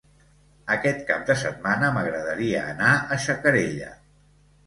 Aquest cap de setmana m'agradaria anar a Xacarella.